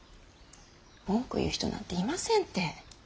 文句言う人なんていませんて。